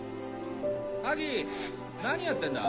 ハギ何やってんだ？